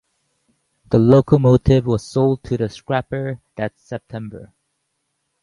The locomotive was sold to the scrapper that September.